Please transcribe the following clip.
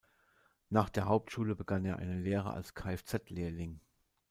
Nach der Hauptschule begann er eine Lehre als Kfz-Lehrling.